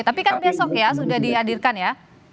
tapi kan besok ya sudah dihadirkan ya